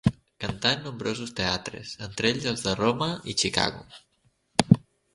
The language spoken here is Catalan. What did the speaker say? Cantà en nombrosos teatres, entre ells els de Roma i Chicago.